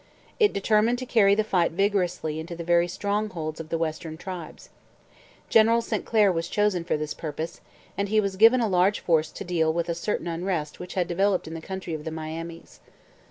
It determined to carry the fight vigorously into the very strongholds of the western tribes. General St Clair was chosen for this purpose, and he was given a large force to deal with a certain unrest which had developed in the country of the Miamis.